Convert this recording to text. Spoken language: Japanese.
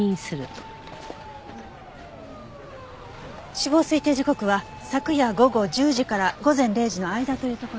死亡推定時刻は昨夜午後１０時から午前０時の間というところね。